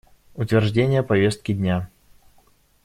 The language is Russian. Утверждение повестки дня.